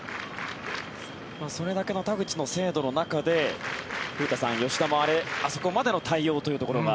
それだけの田口の精度の中で古田さん、吉田もあそこまでの対応というところが。